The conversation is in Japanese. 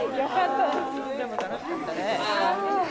でも楽しかったね。